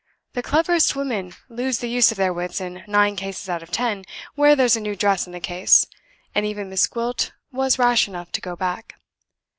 The cleverest women lose the use of their wits in nine cases out of ten where there's a new dress in the case, and even Miss Gwilt was rash enough to go back.